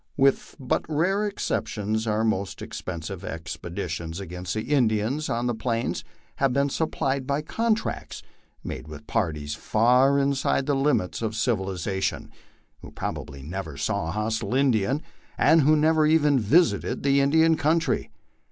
With but rare exceptions our most expensive expeditions against the Indians on the Plains have been Bnpplied by contracts made with parties far inside the limits of civilization, \vlio probably never saw a hostile Indian, and who never even visited the In dian country.